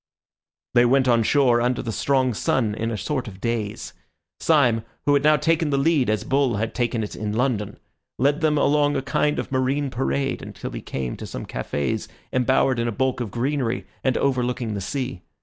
They went on shore under the strong sun in a sort of daze. Syme, who had now taken the lead as Bull had taken it in London, led them along a kind of marine parade until he came to some cafés, embowered in a bulk of greenery and overlooking the sea.